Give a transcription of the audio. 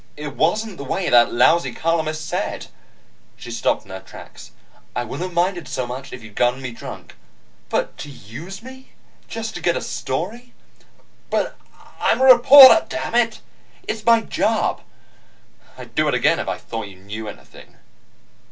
It wasn't the way that lousy columnist said " She stopped in her tracks. "I wouldn't have minded so much if you'd gotten me drunk. But to use me, just to get a story " "But I'm a reporter, damn it. It's my job. I'd do it again if I thought you knew anything."